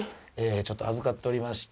ちょっと預かっておりまして。